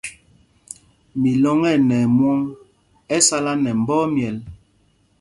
Milɔŋ ɛ nɛ ɛmwɔŋ, ɛ sala nɛ mbɔ ɛmyɛl.